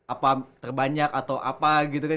apa terbanyak atau apa gitu kan